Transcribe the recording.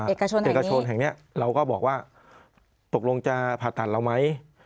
เอกชนแห่งนี้เอกชนแห่งเนี้ยเราก็บอกว่าตกลงจะผ่าตัดเราไหม